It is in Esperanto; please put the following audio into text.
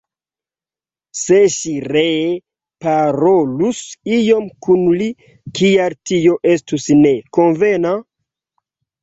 Se ŝi ree parolus iom kun li, kial tio estus ne konvena?